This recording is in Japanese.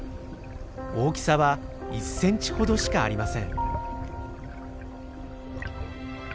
大きさは１センチほどしかありません。